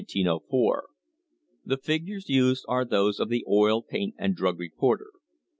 * The figures used are those of the Oil, Paint and Drug Reporter.